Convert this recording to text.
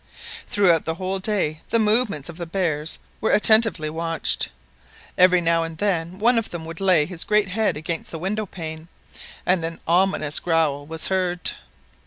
Throughout the whole day the movements of the bears were attentively watched. Every now and then one of them would lay his great head against the window pane and an ominous growl was heard.